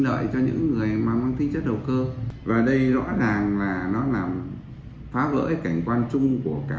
lợi cho những người mang tính chất đầu cơ và đây rõ ràng là nó làm phá vỡ cảnh quan chung của cả